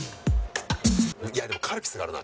いやでもカルピスがあるな！